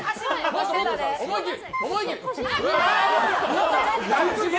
思い切り！